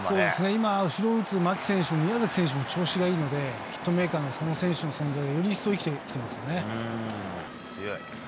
今、後ろを打つ牧選手、宮崎選手も調子がいいので、ヒットメーカーの佐野選手の存在がより生きてきますよね。